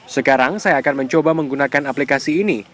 sekarang saya akan mencoba menggunakan aplikasi ini